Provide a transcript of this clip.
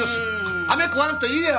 あめ食わんと言えや。